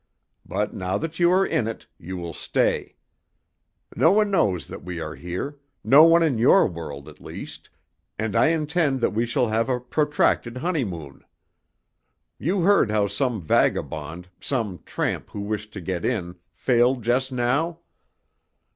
But now that you are in it you will stay. No one knows that we are here no one in your world, at least and I intend that we shall have a protracted honeymoon. You heard how some vagabond, some tramp who wished to get in, failed just now?